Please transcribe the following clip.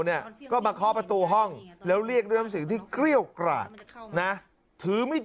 เนี่ยก็มาคอประตูห้องแล้วเรียกเรื่องสิ่งที่เกรี้ยวกราดถือมิด